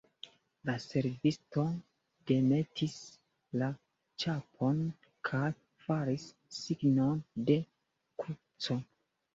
La servisto demetis la ĉapon kaj faris signon de kruco.